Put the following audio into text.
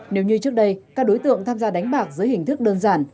nếu như trước đây các đối tượng tham gia đánh bạc dưới hình thức đơn giản